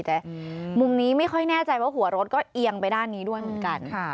แต่มุมนี้ไม่ค่อยแน่ใจว่าหัวรถก็เอียงไปด้านนี้ด้วยเหมือนกัน